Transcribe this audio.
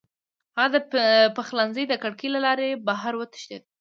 هغه د پخلنځي د کړکۍ له لارې بهر وتښتېد.